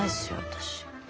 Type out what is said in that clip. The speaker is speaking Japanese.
私。